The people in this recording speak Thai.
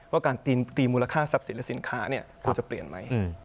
ว่าการตีมูลค่าทรัพย์สินและสินค้าควรจะเปลี่ยนไหม